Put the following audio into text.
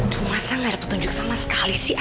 tuh masa nggak ada petunjuk sama sekali sih